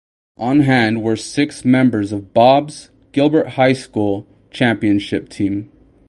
On hand were six members of Bob's Gilbert High School championship team.